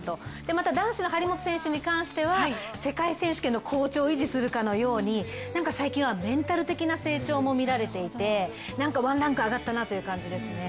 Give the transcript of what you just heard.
また男子の張本選手に関しては世界選手権の好調を維持するようになんか最近はメンタル的な成長も見られていてワンランク上がったなという感じですね。